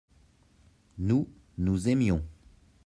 nous, nous aimions.